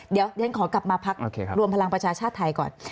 เดี๋ยวฉันขอกลับมาพักรวมพลังประชาชาติไทยก่อน